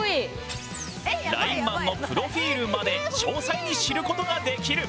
ラインマンのプロフィールまで詳細に知ることができる！